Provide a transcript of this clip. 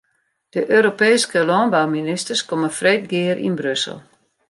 De Europeeske lânbouministers komme freed gear yn Brussel.